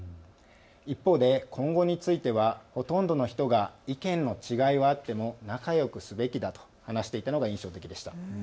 一方で今後についてはほとんどの人が意見の違いはあっても仲よくすべきだと話していたのが印象的でした。